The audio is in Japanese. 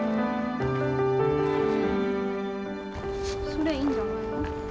それいいんじゃないの？